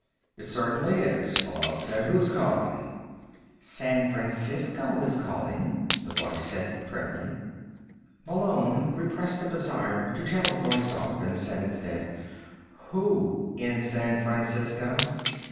"It certainly is," Malone said. "Who's calling?" "San Francisco is calling," the voice said primly. Malone repressed a desire to tell the voice off, and said instead: "Who in San Francisco?"